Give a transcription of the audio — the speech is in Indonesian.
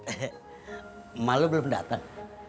emak lo belum dateng